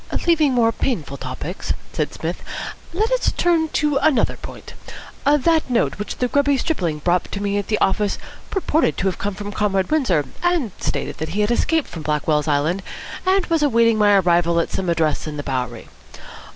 "Leaving more painful topics," said Psmith, "let us turn to another point. That note which the grubby stripling brought to me at the office purported to come from Comrade Windsor, and stated that he had escaped from Blackwell's Island, and was awaiting my arrival at some address in the Bowery.